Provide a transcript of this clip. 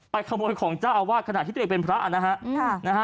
ไปขโมยของจ้าวาสขณะจะเป็นพระนะฮะ